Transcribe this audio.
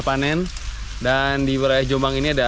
panen dan di wilayah jombang ini ada